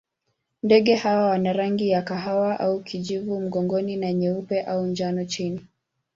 Ndege hawa wana rangi ya kahawa au kijivu mgongoni na nyeupe au njano chini.